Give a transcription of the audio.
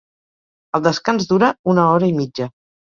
El descans dura una hora i mitja.